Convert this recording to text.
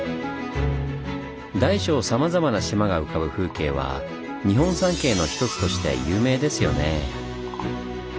大小さまざまな島が浮かぶ風景は日本三景のひとつとして有名ですよね。